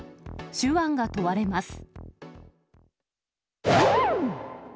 手腕が問われます。